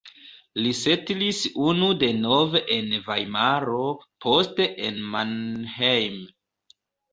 Li setlis unu denove en Vajmaro, poste en Mannheim.